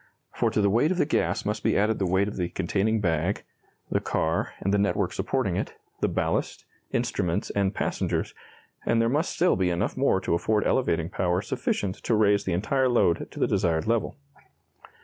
For to the weight of the gas must be added the weight of the containing bag, the car, and the network supporting it, the ballast, instruments, and passengers, and there must still be enough more to afford elevating power sufficient to raise the entire load to the desired level.